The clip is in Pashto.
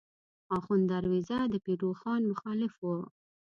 آخوند دروېزه د پیر روښان مخالف و.